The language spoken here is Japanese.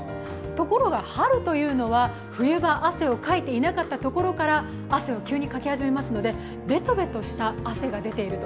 ところが春というのは冬場汗をかいていなかったところから汗を急にかき始めますのでベトベトした汗が出ていると。